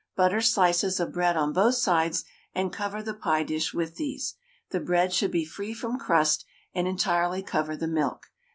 Butter slices of bread on both sides, and cover the pie dish with these; the bread should be free from crust, and entirely cover the milk.